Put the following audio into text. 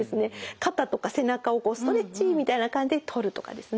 肩とか背中をストレッチみたいな感じで取るとかですね